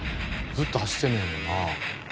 ずっと走ってんねんもんな。